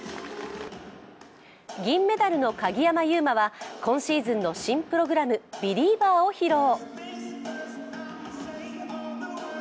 銀メダルの鍵山優真は今シーズンの新プログラム「Ｂｅｌｉｅｖｅｒ」を披露。